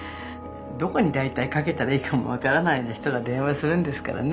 どこに大体かけたらいいかも分からないような人が電話するんですからね。